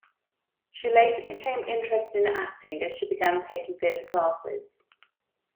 She later became interested in acting as she began taking theatre classes.